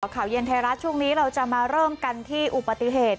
ข่าวเย็นไทยรัฐช่วงนี้เราจะมาเริ่มกันที่อุบัติเหตุ